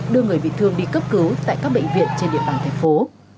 đưa người bị thương đi cấp cứu tại các bệnh viện trên địa bàn thành phố